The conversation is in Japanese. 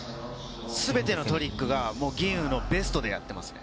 全てのトリックは吟雲のベストでやってますね。